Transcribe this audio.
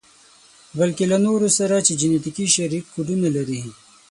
بلکې له نورو سره چې جنتیکي شريک کوډونه لري.